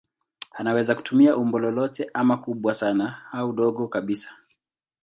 Anaweza kutumia umbo lolote ama kubwa sana au dogo kabisa.